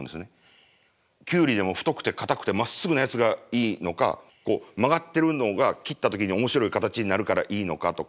キュウリでも太くてかたくてまっすぐなやつがいいのか曲がってるのが切った時に面白い形になるからいいのかとか。